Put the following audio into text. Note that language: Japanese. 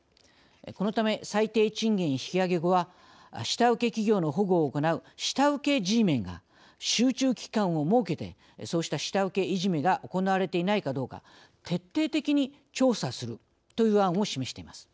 このため最低賃金引き上げ後は下請け企業の保護を行う下請けＧメンが集中期間を設けてそうした下請けいじめが行われていないかどうか徹底的に調査するという案を示しています。